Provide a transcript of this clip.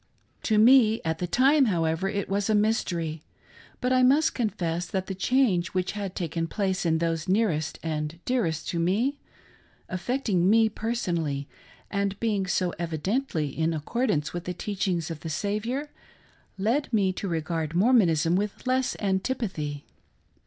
To me, at the time, however, it was a mystery, but I must confess that the change which had taken place in those nearest and dearest to me, affecting me personally, and being so evidently in accordance with the teachings of the Saviour, led me to regard Mormon "zion's standard is unfurled." 45 ism with less antipathy.